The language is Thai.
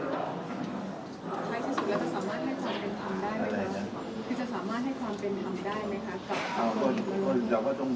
ภารกิจรักษาลักษณ์ที่ออกมาเรียกร้อง